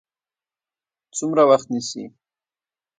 څومره وخت نیسي؟